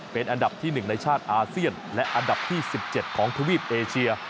เป็นอันดับที่๑ในชาติอาเซียนและอันดับที่๑๗ของทวีปเอเชีย